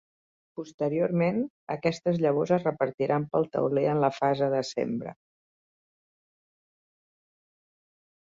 Posteriorment, aquestes llavors es repartiran pel tauler en la fase de sembra.